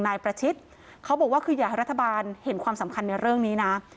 นายประชิดเขาบอกว่าคืออยากให้รัฐบาลเห็นความสำคัญในเรื่องนี้นะ